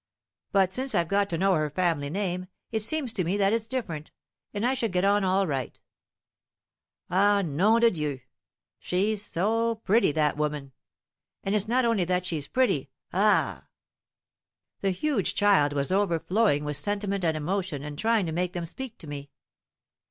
But since I've got to know her family name, it seems to me that it's different, and I should get on all right. Ah, nom de Dieu! She's so pretty, that woman! And it's not only that she's pretty ah!" The huge child was overflowing with sentiment and emotion, and trying to make them speak to me.